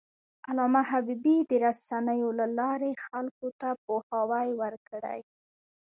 علامه حبيبي د رسنیو له لارې خلکو ته پوهاوی ورکړی.